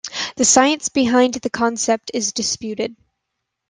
The science behind the concept is disputed.